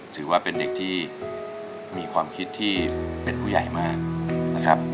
ถือว่าเป็นเด็กที่มีความคิดที่เป็นผู้ใหญ่มากนะครับ